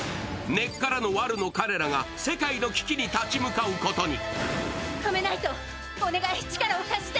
根っからのワルの彼らが世界の危機に立ち向かうことに。